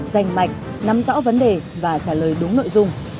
dành mạch nắm rõ vấn đề và trả lời đúng nội dung